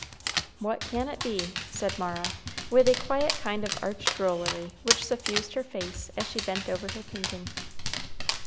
"What can it be?" said Mara, with a quiet kind of arch drollery which suffused her face, as she bent over her painting.